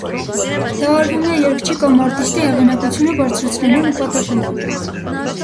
Դա արվում է երգչի կամ արտիստի հեղինակությունը բարձրացնելու նպատակով։